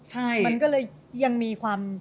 ใช่มันก็เลยยังมีความ